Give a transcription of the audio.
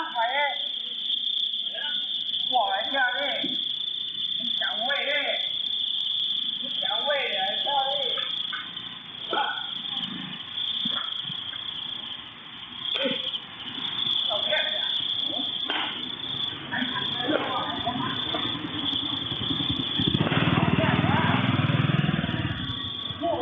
พูดว่าใครล่ะ